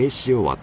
私。